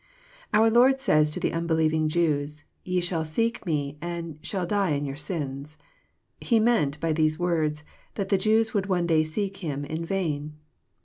Our Lord says to the unbelieving Jews, " Ye shall seek Me, and shall die in your sins." He meant, by these words, that the Jews would one day seek Him in vain.